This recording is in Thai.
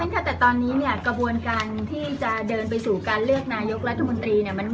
แต่ตอนนี้กระบวนการที่จะเดินไปสู่การเลือกนายกรัฐมนตรี